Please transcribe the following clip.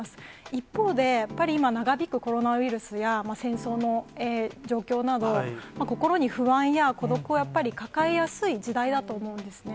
一方で、やっぱり今、長引くコロナウイルスや、戦争の状況など、心に不安や孤独をやっぱり抱えやすい時代だと思うんですね。